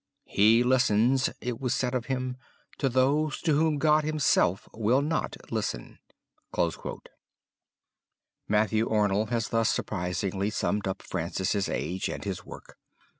"He listens," it was said of him, "to those to whom God himself will not listen." Matthew Arnold has thus surprisingly summed up Francis' age and his work.